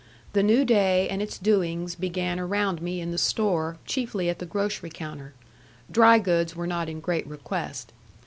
The new day and its doings began around me in the store, chiefly at the grocery counter. Dry goods were not in great request.